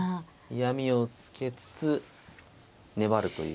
嫌みをつけつつ粘るという。